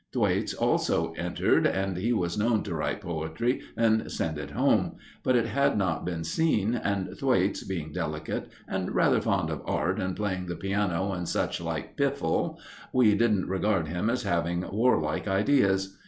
Thwaites also entered, and he was known to write poetry and send it home; but it had not been seen, and Thwaites, being delicate and rather fond of art and playing the piano and such like piffle, we didn't regard him as having warlike ideas.